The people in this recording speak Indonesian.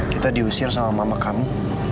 kita diusir sama mama kami